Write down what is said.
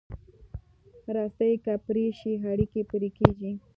رسۍ که پرې شي، اړیکې پرې کېږي.